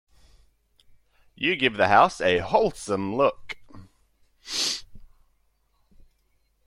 You give the house a wholesome look.